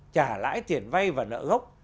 trả lãi tiền vay và nợ gốc